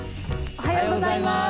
おはようございます。